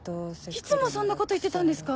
いつもそんなこと言ってたんですか？